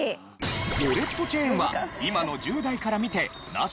ウォレットチェーンは今の１０代から見てナシ？